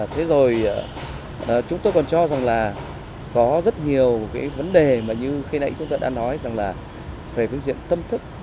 thế rồi chúng tôi còn cho rằng là có rất nhiều cái vấn đề mà như khi nãy chúng tôi đã nói rằng là về phương diện tâm thức